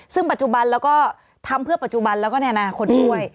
ซึ่งปัจจุบันเราก็ทำเพื่อปัจจุบันแล้วก็ในอนาคตด้วย